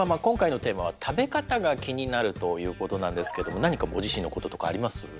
今回のテーマは「食べ方が気になる」ということなんですけど何かご自身のこととかあります？